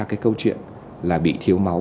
cái câu chuyện là bị thiếu máu